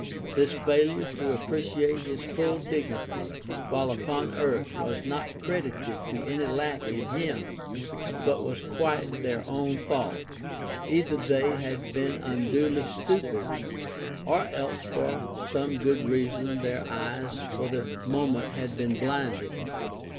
This failure to appreciate his full dignity while upon earth was not credited to any lack in him, but was quite their own fault. Either they had been unduly stupid, or else for some good reason their eyes for the moment had been blinded.